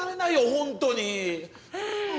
ホントに。